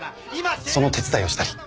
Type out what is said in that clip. その手伝いをしたり。